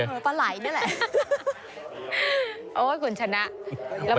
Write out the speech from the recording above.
อาหารนั่นแหละ